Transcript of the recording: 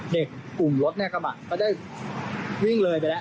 เด็กอุ่มรถในกระบะก็ได้วิ่งเลยไปแล้ว